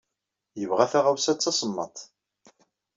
Yebɣa taɣawsa d tasemmaḍt.